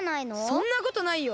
そんなことないよ。